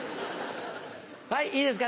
はいいいですか？